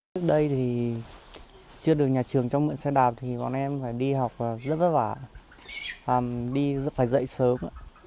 trước đây thì chưa được nhà trường cho mượn xe đạp thì bọn em phải đi học rất vất vả đi phải dậy sớm ạ